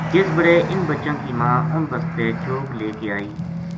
جس بِڑے انھ بچاں کی ماں اُنھ بسطے چوگ لے کے اَئی